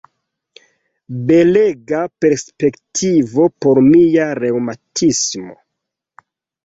Belega perspektivo por mia reŭmatismo!